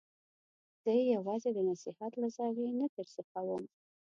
زه یې یوازې د نصحت له زاویې نه درسیخوم.